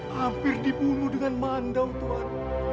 hampir dibunuh dengan mandang tuan